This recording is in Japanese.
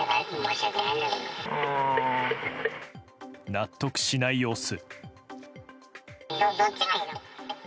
納得しない様子。